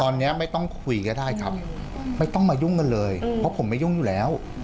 ตอนนี้ไม่ต้องคุยก็ได้ครับไม่ต้องมายุ่งกันเลยเพราะผมไม่ยุ่งอยู่แล้ว